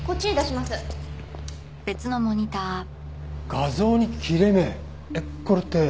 画像に切れ目これって？